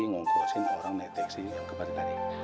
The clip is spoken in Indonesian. nongkosin orang netek sih yang kebar tadi